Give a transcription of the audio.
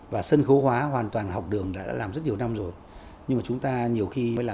và sân khấu hóa hoàn toàn học đường đã làm rất nhiều năm rồi nhưng mà chúng ta nhiều khi mới làm